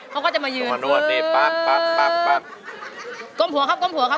เขาก็จะมายืนคือ